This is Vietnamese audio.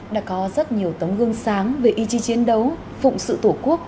đã có rất nhiều tấm gương sáng về ý chí chiến đấu phụng sự tổ quốc